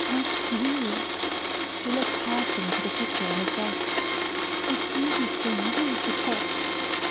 Like you." She looked past him to the picture on his desk. "It's easy for you to talk."